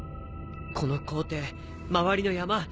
この校庭周りの山